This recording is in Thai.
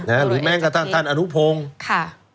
อ่าหรือแม่งกับท่านท่านอรุโพงค่ะ